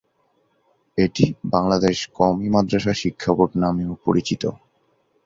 এটি বাংলাদেশ কওমি মাদরাসা শিক্ষা বোর্ড নামেও পরিচিত।